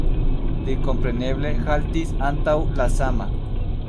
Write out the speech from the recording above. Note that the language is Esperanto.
Li kompreneble haltis antaŭ la sama.